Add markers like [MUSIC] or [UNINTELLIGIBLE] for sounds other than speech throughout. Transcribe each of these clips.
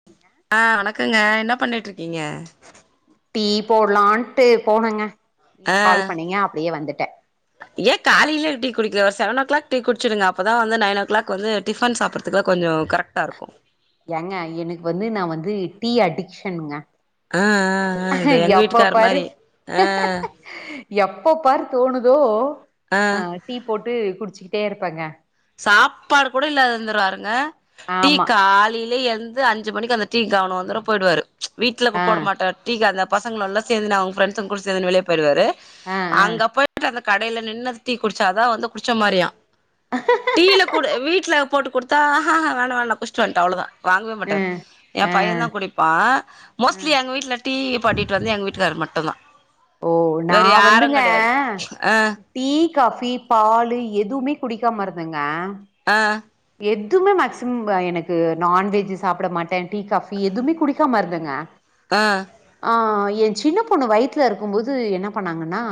[INAUDIBLE] ஆ வணக்கங்க என்னா பண்ணிட்ருக்கீங்க டீ போலான்ட்டு போனங்க நீங்க ஆ கால் பண்ணீங்க அப்டியே வந்துட்டே ஏ காலேலயே டீ குடிக்கல ஒரு செவன் ஓ கிளாக் டீ குடுச்சுடுங்க அப்பதா வந்து நைன் ஓ கிளாக் வந்து டிஃபன் சாப்பற்றதுக்லா கொஞ்சோ கரக்டா இருக்கு ஏங்க எனக்கு வந்து நா வந்து டீ அடிக்ஷன்ங்க ஆ ஆ ஆ இது எங்க எப்ப வீட்டுக்கார் பாரு மாரி ஆ எப்ப பாரு தோணுதோ ஆ அ டீ போட்டு குடுச்சுக்கிட்டே இருப்பங்க சாப்பாடு கூட இல்லாதந்துருவாருங்க டீ ஆமா காலேலயே எந் து அஞ்சு மணிக்கு அந்த டீ கவனொ வந்துரு போய்டுவாரு வீட்ல இப்ப ஆ போட மாட்டா டீக்கு அந்த பசங்கலல்லா சேந்து நா அவ்ங்க ஃப்ரண்டஸ் கூட சேந்துனு வெளிய போய்றுவாரு ஆ ஆ அங்கப்போய் அந்த கடேல நின்னு அந்த டீ குடுச்சாதா வந்து குடுச்ச மாரியா டீல கூட வீட்ல போட்டு குடுத்தா ஹாஹா வேனா வேனா குடுஸ்ட்டு வன்டே அவ்ளதா வாங்கவே ஆ மாட்டாரு எ ஆ பையந் தா குடிப்பா ஆ மோஸ்ட்லி எங்க வீட்ல டீ பாட்டிட்டு வந்து எங்க வீட்டுக்காரு மட்டுந் தா ஓ நா வந்துங்க ஆ டீ காஃபி பாலு எதுவுமே குடிக்காம இருந்தேங்க ஆ எதுமே மேக்சிமம் எனக்கு நான் வெஜ்ஜு சாப்ட மாட்டே டீ காஃபி எதுவுமே குடிக்காம இருந்தேங்க ஆ ஆ ஏ சின்ன பொண்ணு வயித்துல இருக்கும்போது என்ன பண்ணாங்கன்னா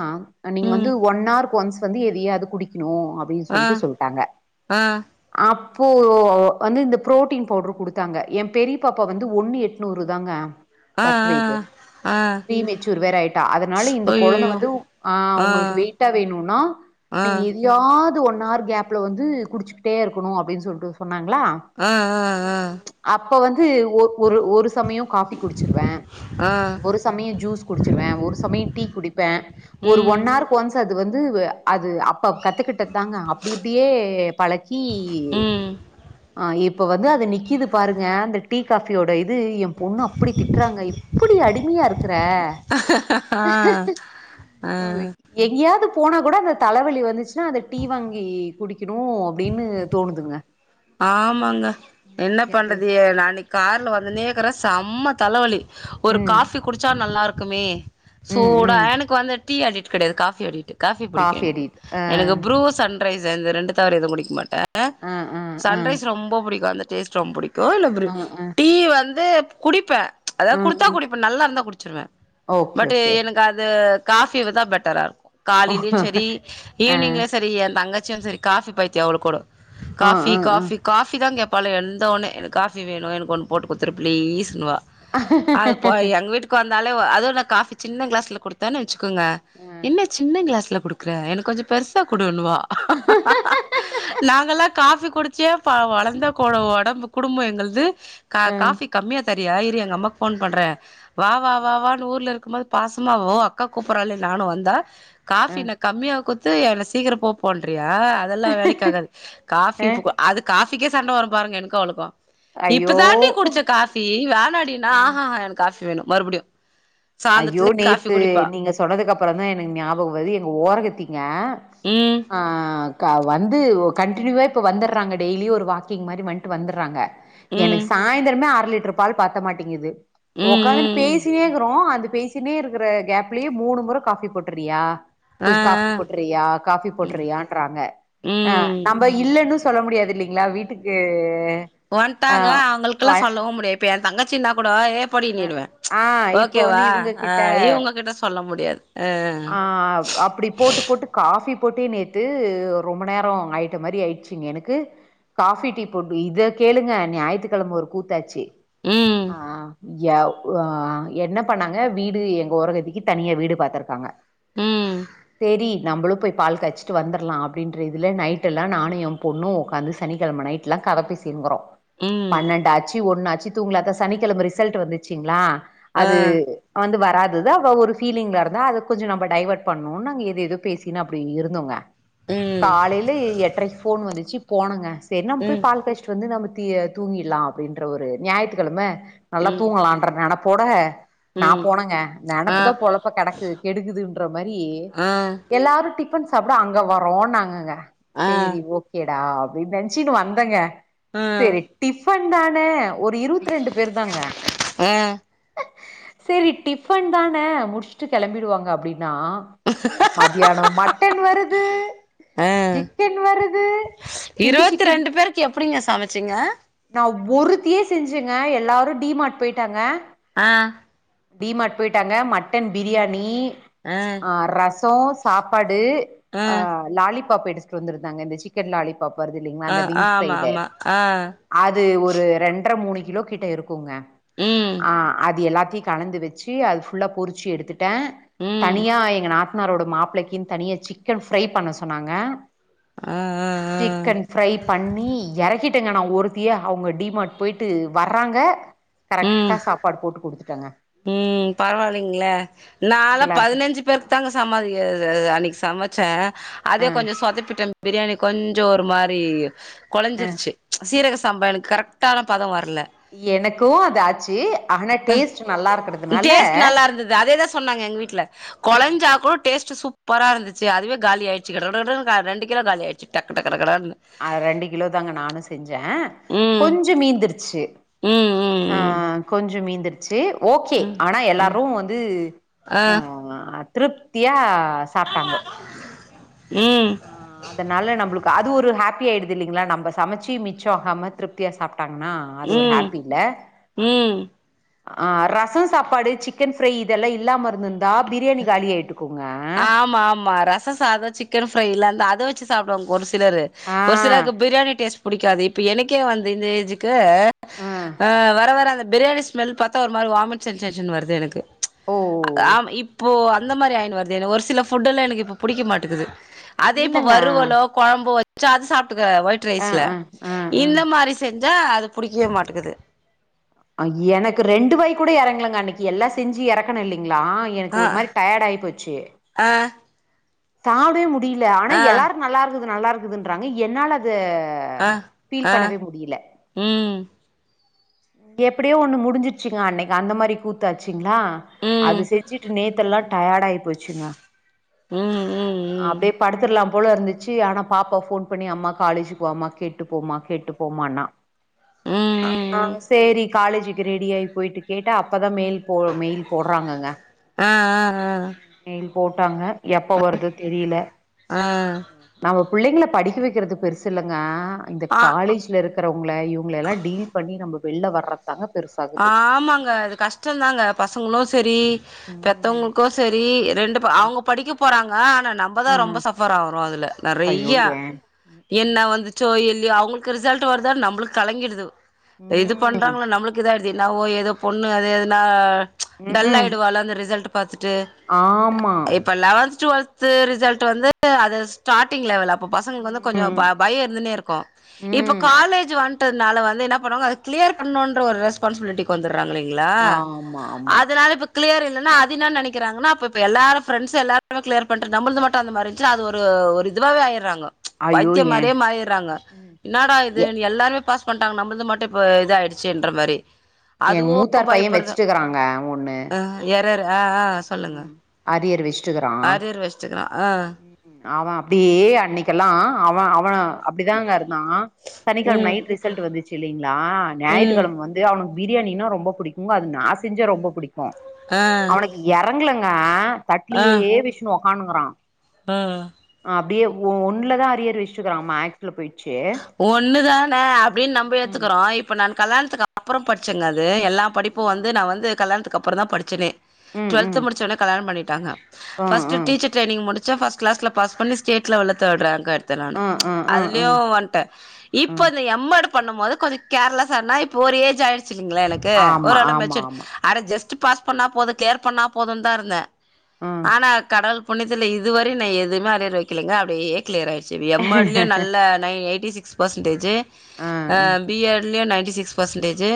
நீங்க ம் வந்து ஒன் ஆர்க்கு ஒன்ஸ் வந்து எதையாது குடிக்குணோ அப்டின்னு ஆ சொல்ட்டு சொல்ட்டாங்க ஆ அப்போ வந்து இந்த புரோட்டீன் பவ்டுரு குடுத்தாங்க ஏ பெரி பாப்பா வந்து ஒன்னு எட் நூரு தாங்க ஆ பர்த் வெயிட்டு. ஆ ஆ ப்ரீமெச்சூர் வேற ஆய்ட்டா அதனால இந்த கொழந்த அய்யய்யோ வந்து ஆ உங்குளுக்கு வெய்ட்டா வேணுனா ஆ எதயாது ஒன் ஆர் கேப்ல வந்து குடிச்சிக்கிட்டே இருக்கணோ அப்டின்னு சொல்ட்டு சொன்னாங்களா ஆ ஆ ஆ அப்ப வந்து ஒ ஒரு ஒரு சமயோம் காஃபி குடிச்சிருவே ஆ ஒரு சமயோ ஜூஸ் குடிச்சிருவே ஒரு சமயோ டீ குடிப்பே ஒரு ம் ஒன் ஆர் கு ஒன்ஸ் அது வந்து அது அப்ப கத்துக்கிட்டது தாங்க அப்டி இப்டியே டீய்யு ம் ஆ இப்போ வந்து அது நிக்கிது பாருங்க அந்த டீ காஃபியோட இது எம் பொண்ணு அப்டி திட்றாங்க இப்டி அடிமயா இருக்குற அஹ ஆ எங்கேயாவது போனா கூட அந்த தலவலி வந்துச்சுன்னா அத டீ வாங்கி குடிக்கணோ அப் டீன்னு தோணுதுங்க ஆமாங்க என்ன அது பண்றது எ நா அன்னைக்கு கார்ல வந்தனேக்கற சம்ம தலவலி ஒரு ம் காஃபி குடிச்சா நல்லா இருக்குமே ம் சூடா ம் எனக்கு வந்து டீ அடிட் கெடயாது காஃபி அடிட்டு காஃபி புடிக்கோ எனக்கு அடிட் அ எனக்கு ப்ரூ சன் ரைஸ் இந்த ரெண்டு தவற எதும் குடிக்க மாட்ட அ அ அ சன்ரைஸ் ரொம்ப புடிக்கோ அந்த டேஸ்ட் ரொம் புடிக்கோ இல்ல ப்ரூ அ அ டீ வந்து குடிப்ப அதா அ குடுத்தா அ குடிப்ப நல்லாருந்தா குடிச்சிருவ ஓகே பட் ஓகே எனக்கு த அது காஃபிதா பெட்டராருக்கோ காலைலயு சரி ஆ ஈவ்னிங்லியு சரி எந்தங்கச்சியு சரி காஃபி பைத்திய அவ்ளுக் கூடோ அ காஃபி அ அ காஃபி காஃபி தா கேப்பாலுக வந்த ஒன்னே எனக்கு காஃபி வேணோ எனக்கு ஒன்னு போட்டு குத்துரு ப்ளீஸ்னுவா அது போ எங்க வீட்டுக்கு வந்தாலே அதுவு நா காஃபி சின்ன கிளாஸ்ல குடுத்தேனு வெச்சுக்கோங்க அ என்ன சின்ன கிளாஸ்ல குடுக்குற எனக்கு கொஞ்சோ பெர்சா குடுணுவா அ நாங்கல்லா காஃபி குடிச்சியே ப வளந்த கொ ஒடம்பு குடும்போ எங்கள்து கா அ காஃபி கம்மியா தரியா இரு எங்க அம்மாக் ஃபோன் பண்ற வா வா வா வானு ஊர்ல இருக்கும் போது பாசமா ஓ அக்கா கூப்புறாளே நானு வந்தா காஃபினா கம்மியா குத்து என்ன சீக்கிர போ போண்றியா அதெல்லா வேலைக்காகாது காஃபி அ அது காஃபிக்கே சண்ட வரு பாருங்க எனக்கோ அவளுக்கோ ஐயோ இப்பதாண்டி குடிச்ச காஃபி வேணாடினா ஆ. ஆஹாஹா எனக்கு காஃபி வேணோ மறுபடியு ஐயோ சாந்தரத்துல காஃபி நேத்து குடிப்பா நீங்க சொன்னதுக்கப்பறந்தா எனக்கு ஞாபகோ வருது எங்க ஓரகத்தீங்க ம் ஆ கா வந்து ஒ கண்ட்டினியூவா இப்போ வந்தர்றாங்க டெய்லியு ஒரு வாக்கிங் மாரி வந்ட்டு வந்தர்றாங்க எனக்கு ம் சாய்ந்தரமே அர லிட்டரு பால் பத்த மாட்டிகிது ம் ஒக்காந்துனு ம் பேசினே இக்றோ அந் பேசினே இருக்கிற கேப்லியே மூணு மொற காஃபி போட்டுட்றியா ஆ புஷ் காஃபி போட்டுறியா, காஃபி ஆ போட்டுறியான்றாங்க அ ம் நம்ப இல்லன்னு சொல்ல முடியாது இல்லிங்ளா வீட்டுக்கு ஆ வந்ட்டாங்க அவுங்களுக்லா வ- சொல்லவு முடியாது இப்ப எந் தங்கச்சினா கூட ஏ அ போடின்னுடுவ ஆ இப்போ வந்து ஓகேவா இவுங்க அ கிட்ட இவுங்ககிட்ட சொல்ல முடியாது ஆ அ அப்டி போட்டு போட்டு காஃபி போட்டே நேத்து ரொம்ப நேர ஆயிட்ட மாரி ஆய்டுச்சிங்க எனக்கு காஃபி, டீ போட்டு இத கேளுங்க ஞாயித்துக்கெழம ஒரு கூத்தாச்சி, ம் ஆ யா அ என்ன பண்ணாங்க வீடு எங்க ஓரகத்திக்கு தனியா வீடு பாத்துருக்காங்க ம் சேரி நம்மளு போய் பால் காய்ச்சிட்டு வந்தர்லா அப்டின்ற இதுல நைட்டெல்லா நானு எ பொண்ணு ஒக்காந்து சனிக்கெழம நைட் ட்லா கதப் பேசின்ங்குறோ ம் பன்னென்டாச்சு ஒன்னாச்சு தூங்கல அதா சனிக்கெழம ரிசல்ட்டு வந்துச்சுங்ளா ஆ அது வந்து வராதது அவ ஒரு ஃபீலிங்லருந்தா அது கொஞ்சோ நம்ப டைவர்ட் பண்ணுன்னு நாங்க ஏது ஏதோ பேசினு அப்டி இருந்தோங்க ம் காலைல எட்ரைக்கு ஃபோன் வந்துச்சு போனங்க சேரி நம் போய் ம் பால் காய்ச்சி ட்டு வந்து நம்ம திய தூங்கிட்லா அப்டின்ற ஒரு ஞாயத்துக்கெழம நல்லா ம் தூங்கலான்ற நெனப் போட நா ம் போனங்க ஆ நெனப்புதா பொழப்ப கெடக்கு கெடுக்குதுன்ற மாரி ஆ எல்லாரு டிஃபன் சாப்ட அங்க வரோன்னாங்கங்க ஆ சேரி ஓக்கேடா அப்டின்னு நென்ச்சினு வந்தங்க ஆ சேரி டிஃபன் ந்தான ஒரு இருவத்ரெண்டு பேருதாங்க ஆ சேரி டிஃபன் தான முடிச்சிட்டு கெளம்பிடுவாங்க அப்டின்னா மதியானோ மட்டன் வருது ஆ சிக்கன் வருது சில்லி சிக்கன் க்கி எப்டிங்க சமச்சிங்க நா ஒருத்தியே செஞ்சங்க எல்லாரு டி மார்ட் போய்ட்டாங்க ஆ டி மார்ட் போய்ட்டாங்க, மட்டன் பிரியாணி ஆ, ரசோ, சாப்பாடு ஆ அ லாலிபாப் எடு த்துட்டு வந்திருந்தாங்க இந்த சிக்கன் லாலிபாப் வருது இல்லைங்களா ஆ அந்த விங் ஆமா சைடு ஆமா ஆ அது ஒரு ரெண்டரை மூணு கிலோ கிட்ட இருக்குங்க ம் ஆ அது எல்லாத்தையு கலந்து வச்சு அது புல்லா பொறிச்சு எடுத்துட்டே ம் தனியா எங்க நாத் தனாரோட மாப்பிள்ளைக்குனு தனியா சிக்கன் ஃப்ரை பண்ண சொன்னாங்க ஆ ஆ ஆ சிக்கன் ஃப்ரை பண்ணி எறக்கிட்டேங்க நா ஒருத்தியே அவங்க டி மார்ட் போய்ட்டு வர்றாங்க ம் கரெக்டா சாப்பாடு போட்டு குடுத்துட்டங்க ம் பரவால்லிங்ளே நான்லா எல்லாருக்கு பதினஞ்சு பேருக்குதாங்க சமாதி அது அது அன்னைக்கி சமச்ச ஆ அதே கொஞ்சோ சொத்தப்பிட்ட பிரியாணி கொஞ்சோ ஒரு மாரி கொழஞ்சிருச்சு சீரக சாம்பா எனக்கு கரெக் ட்டான பதம் வர்ல எனக்கு அது ஆச்சி ஆனா டேஸ்ட்டு நல்லாருக்குனு டேஸ்ட் நல்லாருந்தது அதேதா சொன்னாங்க எங்க வீட்ல கொழஞ்சா கூட டேஸ்ட்டு சூப்பரா இருந்துச்சி அதுவே காலியாயிடுச்சி கட கட கடன்னு க ரெண்டு கிலோ காலியாயிடுச்சி டக்கு டக்கட கட கடன்னு அ ரெண்டு கிலோ தாங்க நானு செஞ்ச ம் கொஞ்சோ மீந்திருச்சு ம் ஆ ம் கொஞ்சோ மீந்துரு ச்சு ஓகே ம் ம் ஆனா ம் எல்லாரு வந்து ஆ அ த்திருப்தியா சாப்டாங்க ம் ஆ அதனால நம்மளுக்கு அது ஒரு ஹாப்பி ஆயிடுது இல்லைங்ளா நம்ம சமைச்சு மிச்சம் ஆகாம திருப்தியாக சாப்டாங்ணா அது ஒரு ஹாப்பி இல்ல ம் ம் ஆ ரசம் சாப்பாடு சிக்கன் ஃப்ரை இதெல்லா இல்லாம இருந்து இருந்தா பிரியாணி காலி ஆயிட் ருக்குங்க ஆமா ஆமா ரச சாதம் சிக்கன் ஃப்ரை லாந் அத வச் சி சாப்டுவாங்க ஒரு சிலரு ஆ ஒரு சிலருக்கு பிரியாணி டேஸ்ட் புடிக்காது இப்ப எனக்கே வந்து இந்த ஏஜு க்கு ஆ வர வர அந்த பிரியாணி ஸ்மெல் பாத்தா ஒரு மாரி ஒரு வாமிட் சென்சேஷன் வருது எனக்கு ஓ ஆ ஆம் இப்போ அந்த மாரி ஆயின் வருது எனக் ஒரு சில ஃபுட் எல்லா எனக்கு இப்ப புடிக்க மாட்டுக்குது அதே இப்ப இல்லங்க வறுவலோ கொழம்போ வச்ச அத சாப்டுக்கற ஒயிட் ஆ ரைஸ்ல ஆ ஆ இந்த ஆ மாரி செஞ்சா அது புடிக்வே மாட்டுக்குது ஆ எனக்கு ரெண்டு வாய் கூட இறங்கலங்க அன்னைக்கு எல்லா செஞ்சு இறக்கண இல்லிங்ளா எனக்கு ஆ ஒரு மாரி டயர்ட் ஆயி போச்சு ஆ சாப்டே முடியில ஆனா ஆ எல்லாருக் நல்லா இருக்குது நல்லா இருக்குதுன்றாங்க என்னால அது அ ஆ ஃபீல் ஆ பண்ணவே முடில ம் எப்படியோ ஒண்ணு முடிஞ்சிருச்சுங்க அன்னைக்கு அந்த மாரி கூத் தாச்சுங்ளா ம் அது செஞ்சிட்டு நேத் எல்லா டயர்ட் ஆயி போச்சுங்க ம் ம் அப்டியே படுத்தரலாம் போல இருந்துச்சு ஆனா பாப்பா போண் பண்ணி அம்மா காலேஜுக்கு வாம்மா கேட்டு போமா கேட்டுப் போம்மாண்ணா ம் ஆ ம் செரி காலேஜுக்கு ரெடி ஆகி போயிட்டு கேட்டா அப்பதா மெல் இப்போ மெயில் போறாங்கங்க ஆ ஆ மெயில் போட்டாங்க எப்ப வருதோ தெரில ஆ ஆ நம்ம புள்ளைங்கள படிக்க வக்கிறது பெருசு இல்லங்க இந்த ஆ காலேஜ்ல இருக்க இருக்கறவங்ள இவுங்கள எல்லா டீல் பண்ணி நம்ம வெள்ல வர்ற தங்க பெருசா ஆமாங்க அது கஷ்டம் தாங்க பசங்களு செரி ம் பெத்தவங்களுக்கு செரி ரெண்டு அவுங்க படிக்க போறாங்க ஆனா நம்மதா ரொம்ப ம் சஃபர் ஆவரோ அதுல ஐயோ நறையா ஏன் ம் ம் என்ன வந்து சோ இல்லியோ அவுங்களுக்கு ரிசல்ட் வருதா நம்புளுக்கு களங்கிடுது இது ம் பண்றாங்ள நம்ளுக் அடுத்து என்னாவோ ஏதோ பொண்ணு அது எதனா ம்ஹூம் டல்லாயிடுவாலோ அந்த ரிசல்ட்ட பாத்துட்டு ஆமா இப்ப லெவன்த் டுவல்த்து ரிசல்ட் வந்து அது ஸ்டாட்டிங் லெவல் அப்ப பசங்களுக்கு வந்து கொஞ்சோ ம் ப பய இருந்துனேருக்கு இப்ப ம் காலேஜ் வந் துட்டனால வந்து என்ன பன்னுவாங்க அத கிளியர் பண்ணுன்ற ஒரு ரெஸ்ப் ரெஸ்பான்சிபிலிட்டிக் வந்துற்றாங்ல்லிங்ளா ஆமா ஆமா அதனால இப்ப கிளியர் இல்லனா அதின்னா நெனக்கிறாங்கன்னா அப்ப இப்ப எல்லாரு ஃப்ரெண்ட்ஸ் எல்லாருமே க்ளியர் பண்ட்டு நம்மல்து மட்டு அந்த மாரி இல்ல அது ஒரு ஒரு இதுவாவே ஆயிறாங்க ஐயோ பைத்தியம் ஏ மாரியே மாயிறாங்க ம்ஹூம் என்னடா இது எ எல்லாருமே பாஸ் பண்டாங்க நம்மளுது மட்டு இப்ப இத ஆயிடுச்சுன்ற மாரி எ அதுவு மூத்தார் பைய பயப்படுதா வச்சுட்டுக்கறாங்க ஒண்ணு ஆ எரர் ஆ ஆ சொல்லுங்க ம் அரியர் வெஸ்டுக்கறா சிக்கறா ஆ அவ அப்டியே அன்னைக்கெல்லா அவ அவ அப்டிதாங்க இருந்தா சனிக்கெழம ம் நைட் ரிசல்ட் வந்துச்சில்லீங்ளா ம் ஞாய்த்துக்கெழம வந் து அவனுக் பிரியாணின்னா ரொம்ப புடிக்குங்க அது நா செஞ்சா ரொம்ப புடிக்கு ஆ எறங்லங்க தட்லியே வெஸ்ணு ஒக்கானுக்கறா ம் ம் அப்டியே ஓ ஒன்லதா அரியர் வெஸ்டுக்கறா மேக் ஸ்ல போய்ர்ச்சு ஒன்னு தான அப்டின் நம்ப எத்துக்கறோ இப்ப நான் கல்லாண்த்துக்க ப்பறோ பட்ச்சங்க அது எல்லா படிப்பு வந்து ம் நா வந்து கல்யாண்த்துக்கப்பறந்தா படிச்சனே டுவல்த்து ம் முடிச்சொன்னே கல்யாணம் பண்ணிட்டாங்க ஆ ஆ ஃபஸ்ட்டு டீச்சர் ட்ரைனிங் முடிச்சே ஃபஸ்ட் கிளாஸ்ல பாஸ் பண்ணி ஸ்டேட் லெவல்ல தேட் ரேங்க்கா எடுத்த நானு ஆ ஆ ஆ ஆ அதுலியு வந் ட்டே ஆ இப்ப இந்த எம் எடு பண்ணும் போது கொஞ்ச கேர்லெஸ் ஆனா இப்ப ஒரு ஏஜ் ஆய்டுச்சில்லீங்ளா எனக் கு ஆமா ஓரளவ் ஆமா மெச்சுட் ஆமா அட ஜஸ்ட்டு பாஸ் பண்ணா போது கிளியர் பண்ணா போதுன்தா இருந்தே ஆ ஆனா கடவ்ள் புண்ணியத்துல இதுவரயு நா எதுமே அரியர் வெக்கலீங்க அப்டியே கிளியர் ஆய்ர்ச்சி வி எம் எட் லியு நல்ல நை எய்ட் டி சிக்ஸ் பர்சன்டேஜு ஆ அ ஆ பி எட் லியு நைன்ட்டி சிக்ஸ் பர்சன்டேஜு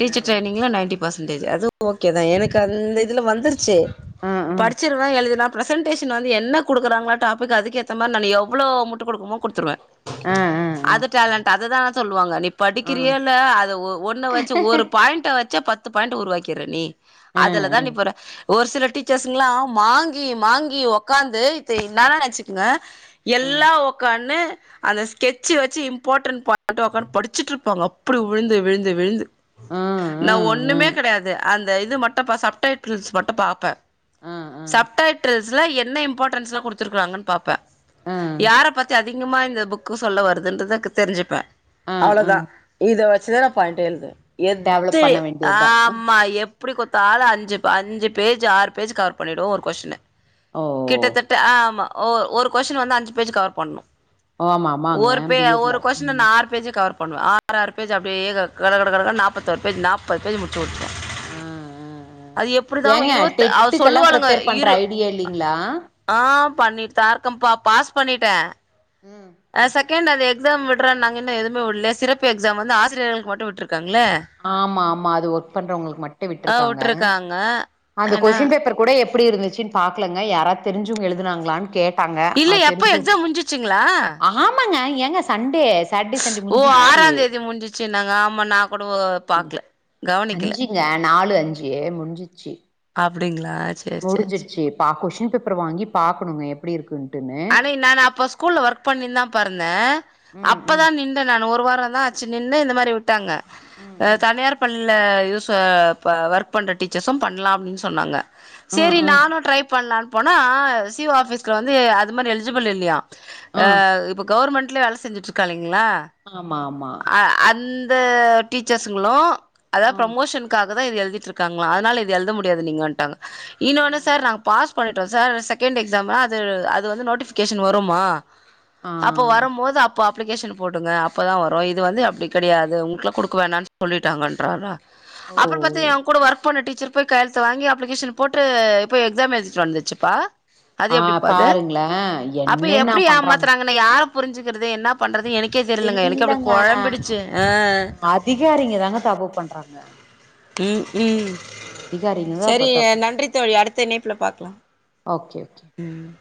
டீச்சர் ம் ட்ரைனிங்ல நைன்ட்டி பர்சன்டேஜு அதுவு ஓகே தா எனக்கு அந்த இதுல வந்துருச்சி ஆ ஆ படிச்சு ட்ருவ எழுதிர்லா ப்ரசன்டேஷன் வந்து என்ன குடுக்கறாங்ளோ டாப்பிக் அதுக்கேத்த மார் நானு எவ்ளோ முட்டு குடுக்குமோ குடுத்துருவே ஆ அ அது டேலண்ட் அதுதா சொல்வாங்க நீ ஆ ஆ ஆ ஆ படிக்கிறியோ இல்ல அத ஒ ஒன்ன வச்சு ஒரு பாய்ண்ட்ட வச்சே பத்து பாய்ண்ட்ட உருவாக்கீர்ற நீ அதுலதா நிக்குற ஒரு சில டீச்சர்ஸ்ங்லா மாங்கி மாங்கி ஒக்காந்து இத்து இன்னானா நெச்சிக்கிங்க எல்லா ஒக்காந்னு அந்த ஸ்கெட்சி வச்சி இம்பாட்ர்ண்ட் பாயிண்ட்ட ஒக்காந்னு படிச்சிட்ருப்பாங்க அப்புடி விழுந்து விழுந்து விழுந்து நா ஆ ஆ ஆ ஒன்னுமே கெடையாது அந்த இது மட்டு பா சப்டைட்டிர்ல்ஸ் மட்டு பாப்பே ஆ சப்டைட்டிர்ல்ஸ்ல என்ன இம்பாட்ர்ன்ஸ்லா குடுத்துருக்கறாங்கன் பாப்பே யார பத் தி அதிகமா இந்த புக்கு சொல்ல வருதுன்றத க் தெரிஞ்சுப்பே ஆ ஆ ஆ அவ்ளதா இத வச்சு தா நா பாயிண்ட்டே எழுதுவ டெவலப் எத்தயு பண்ண வேண்டியதா ஆம்மா எப் டி குட்த்தாலு அஞ்சு ப் அஞ்சு பேஜு ஆறு பேஜு கவர் பண்ணீடுவே ஒரு கொஸ்டின ஓ கிட்டத்தட்ட ஆமா ஓ ஒரு கொஸ்ஷின் வந்து அஞ்சு பேஜு கவர் பண்ணு ஓ ஆமா ஆமாங்க ஒரு பே பி எட்ல ஒரு கொஸ்ஷின ம் நா ஆறு பேஜு கவர் பண்ணுவே ஆறாறு பேஜ் அப்டியே கவ் கட கட கட கடன் நாப்பத்தாறு பேஜ் நாப் பது பேஜு முட்ச்சுட்ருவே ஆ ஆ ஆ அது எப்புடிதா ஏங்க இருவத்து அவ டெட்டுக்கெல்லா சொல்லுவாளுங்க ப்ரிப்பேர் பண்ற இரு ஐடியா இல்லைங்களா ஆ பண்ணிட்தா இருக்கம்ப்பா பாஸ் பண்ணிட்டே ம் அ செகண்டு அந்த எக்ஸாம் விட்றன்னாங்க இன்னு எதுமே விட்லே சிறப்பு எக்ஸாம் வந்து ஆசிரியர்களுக் மட்டு விட்ருக்காங்ல்ல ஆமா ஆமா அது ஒர்க் பண்றவங்களுக்கு மட்டு விட்ருக்காங்க ங்க அந்த கொஸ்டின் பேப்பர் கூட எப்டி இருந்துச்சின்னு பாக்கலங்க யாரா தெரிஞ்சுங்க எழுதுனாங்களானு கேட் டாங்க இல்ல ஆ எப்ப தெரிஞ்சு எக்ஸாம் முடிஞ்சிச்சுங்களா ஆமாங்க ஏங்க சண்டே சாட்டடே சண்டே முஞ்சிச்சு சின்னாங் ஆமா நா கூடோ பாக்ல அஞ்சிங்க நாலு அஞ்சி முஞ்சிச்சி அப்டிங்ளா முடிஞ்சிடுச்சி பா கொஸ்டின் பேப்பர வாங்கி பாக்குணுங்க எப்டி இருக்குன்டுனு அன்னிக்கு நானு அப்போ ஸ்கூல்ல ஒர்க் பண்ணி தா பொறந்தே ம் ம் அப்பதா நின் நானு ஒரு வாரந்தா ஆச்சு நின்னு இந்த மாரி விட்டாங்க ம் ஆ ம் தனியார் பண்ல இது ஸ ப ஒர்க் பண்ற டீச்சர்சு பண்லா அப்டின்னு சொன்னாங்க ஆ செரி ஆ நானு ட்ரை பண்லான்னு போனா சி ஓ ஆபிஸ்கு வந்து மாரி எலிஜிபிள் இல்லியா ஆ இப்ப கவுவர்மெண்ட்லயே வேல செஞ்சுட்டு இருக்காளுங்ளா ஆமா ஆமா ஆ அந்த டீச்சர்ஸ்ங்களு அதாது ஆ ப்ரமோஷன் காக தா இது எழுதிட்டு இருக்காங்ளா அதனால இது எழுத முடியாது நீங்கோன்டாங்கோ ஆ இன்னொன்னு சார் நா பாஸ் பண்ணிட்டோ சார் செகண்ட் எக்ஸாம் அது அது வந்து நோட்டிபிகேஷன் வரும்மா ஆ அப்ப வரும் போது அப்போ அப்ளிகேஷன் போடுங்க அப்பதா வரு இது வந்து அப்டி கெடையாது உங்களுக்குல்லா குடுக்க வேணானு சொல்லிட்டாங்கன்றாரா ஓ அப்றோ பாத்தா ஏ கூட ஒர்க் போன டீச்சர் போய் கையழுத்து வாங்கி அப்ளிகேஷன் போட்டு இ்ப்ப எக்ஸாம் எழுதிட்டு வந்துருச்சுப்பா அது ஆ எப்டிப்பா அது பாருங்களே அப்ப என்னென்ன எப்டி பண்றாங்க ஏமாத்துறாங்க பின்ன யார புரிஞ்சுக்கிறது என்ன பண்றது எனக்கே தெரிலங்க எனக்கே அப்டி கொழம்பிடுச்சு [UNINTELLIGIBLE] ஆ அதிகாரிங்க தாங்க தப்பு பண்றாங்க ம் ம் அதிகாரிங்க தா அப்ப செரி தப்பு பண்றாங்க நன்றி தோழி அடுத்த இணைப்புல பாக்கலா ஓகே ஓகே ம்